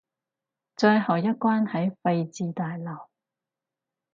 最後一關喺廢置大樓